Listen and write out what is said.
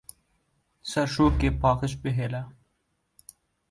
Serşokê paqij bihêle!